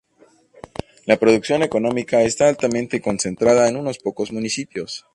La producción económica está altamente concentrada en unos pocos municipios.